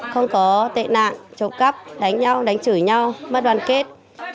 không có tệ nạn trộm cắp đánh nhau đánh chửi nhau mất đoàn kết